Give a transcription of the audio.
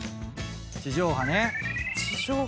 地上波ね。